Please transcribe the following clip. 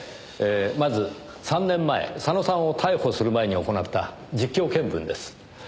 まず３年前佐野さんを逮捕する前に行った実況見分です。